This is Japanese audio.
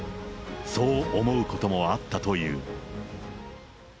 そう思うこともあったという。